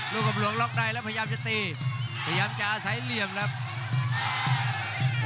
ลูกกับหลวงล็อกได้แล้วพยายามจะตีพยายามจะอาศัยเหลี่ยมแล้ว